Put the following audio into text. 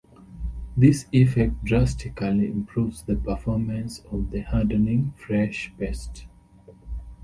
This effect drastically improves the performance of the hardening fresh paste.